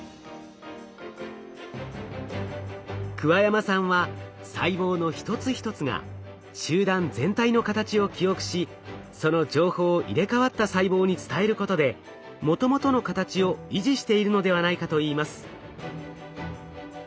桑山さんは細胞の一つ一つが集団全体の形を記憶しその情報を入れ替わった細胞に伝えることでもともとの形を維持しているのではないかといいます。